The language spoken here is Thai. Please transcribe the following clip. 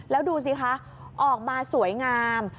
แล้วดูสิคะออกมาสวยงาม